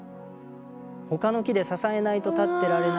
他の木で支えないと立ってられないような